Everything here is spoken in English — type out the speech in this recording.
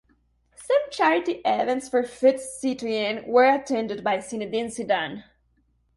Some charity events for "Foot Citoyen" were attended by Zinedine Zidane.